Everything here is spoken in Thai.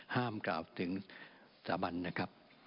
ห้ามกราบถึงสามัญนะครับ